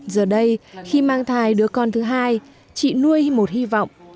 giờ đây khi mang thai đứa con thứ hai chị nuôi một hy vọng